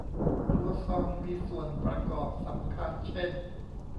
ครัวซองมีส่วนประกอบสำคัญเช่น